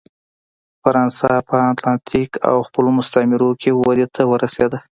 فرانسه په اتلانتیک او خپلو مستعمرو کې ودې ته ورسېده.